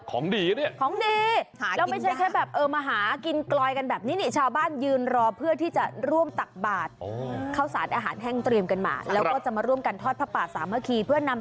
ของดีอะเนี่ยของดี